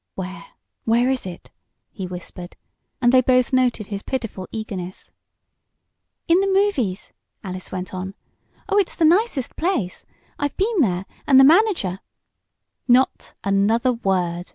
"Where where is it?" he whispered, and they both noted his pitiful eagerness. "In the movies!" Alice went on. "Oh, it's the nicest place! I've been there, and the manager " "Not another word!"